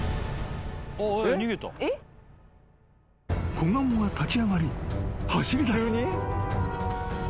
［子ガモが立ち上がり走りだす］